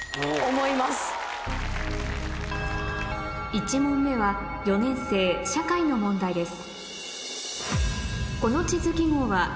１問目は４年生社会の問題です